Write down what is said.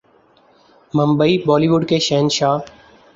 Mumbai Bollywood کے شہنشاہ